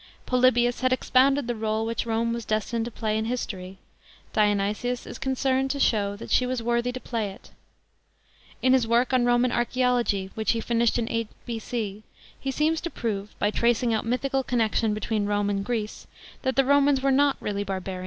Polybius had expounded the rdle which Rome was destined to play in history ; Dionysius is con cerned to show that she was worthy to play it. In his work on "Roman Archaeology," which he finished in 8 B.C., he seeks to prove, by tracing out mythical connection between Rome and Greece, that the Romans were not really " barbarians."